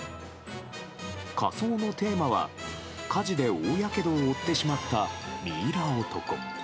仮装のテーマは火事で大やけどを負ってしまったミイラ男。